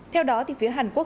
theo đó thì phía hàn quốc